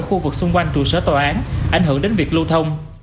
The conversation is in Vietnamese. khu vực xung quanh trụ sở tòa án ảnh hưởng đến việc lưu thông